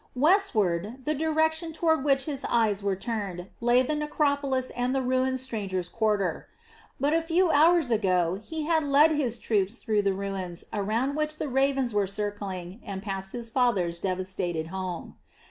Westward, the direction toward which his eyes were turned, lay the necropolis and the ruined strangers' quarter. But a few hours ago he had led his troops through the ruins around which the ravens were circling and past his father's devastated home.